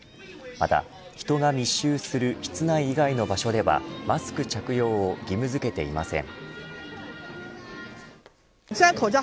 また人が密集する室内以外の場所ではマスク着用を義務付けていません。